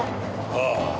ああ。